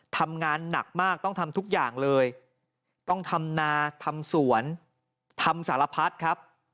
ทำงานหนักมากต้องทำทุกอย่างเลยต้องทำนาทำสวนทำสารพัดครับ